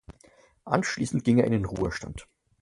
Anschließend ging er in den Ruhestand.